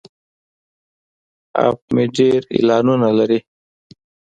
اپ مې ډیر اعلانونه لري.